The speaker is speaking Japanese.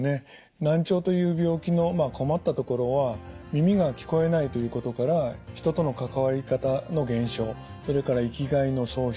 難聴という病気の困ったところは耳が聞こえないということから人との関わり方の減少それから生きがいの喪失